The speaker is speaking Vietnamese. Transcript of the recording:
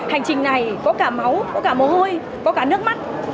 hành trình này có cả máu có cả mồ hôi có cả nước mắt